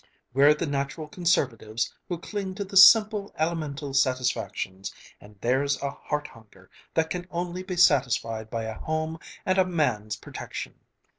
We're the natural conservatives, who cling to the simple, elemental satisfactions, and there's a heart hunger that can only be satisfied by a home and a man's protection!